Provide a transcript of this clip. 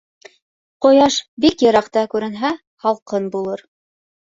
Ҡояш бик йыраҡта күренһә, һалҡын булыр.